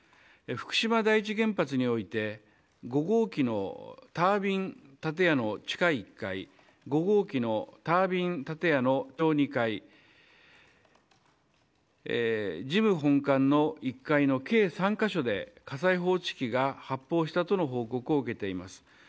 福島第一原発において５号機のタービン建屋の地下１階５号機のタービン建屋の地上２階事務本館の１階の計３カ所で火災報知器が発砲したとの報告を受けています。